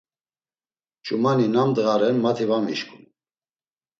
Ç̌umani nam ndğa ren mati va mişǩun.